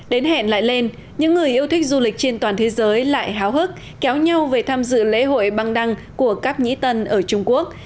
đến hẹn lại lên những người yêu thích du lịch trên toàn thế giới lại háo hức kéo nhau về tham dự lễ hội băng đăng của cáp nhĩ tân ở trung quốc